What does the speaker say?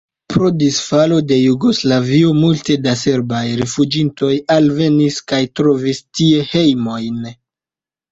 Pro disfalo de Jugoslavio multe da serbaj rifuĝintoj alvenis kaj trovis tie hejmojn.